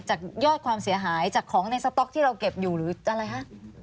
จากยอดความเสียหายจากของในสต๊อกที่เราเก็บอยู่หรืออะไรคะ